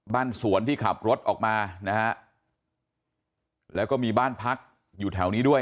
บ้านสวนที่ขับรถออกมานะฮะแล้วก็มีบ้านพักอยู่แถวนี้ด้วย